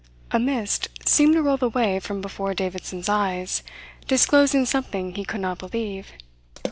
A mist seemed to roll away from before Davidson's eyes, disclosing something he could not believe.